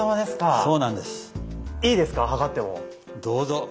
どうぞ！